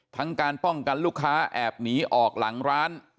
การป้องกันลูกค้าแอบหนีออกหลังร้าน